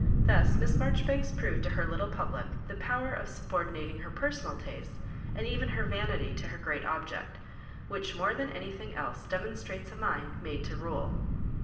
Thus Miss Mar joribanks proved to her little public that power of subordinating her personal tastes and even her vanity to her great object, which more than anything else demonstrates a mind made to rule.